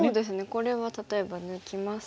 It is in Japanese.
これは例えば抜きますと。